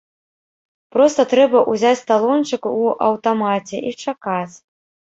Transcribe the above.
Проста трэба ўзяць талончык у аўтамаце і чакаць.